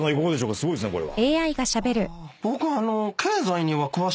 すごいですねこれは。